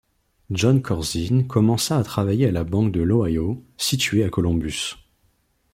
Jon Corzine commença à travailler à la banque de l'Ohio, située à Columbus.